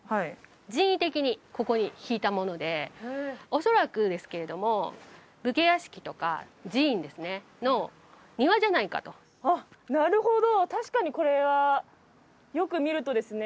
人為的にここにひいたもので恐らくですけれども武家屋敷とか寺院ですねの庭じゃないかとあっなるほど確かにこれはよく見るとですね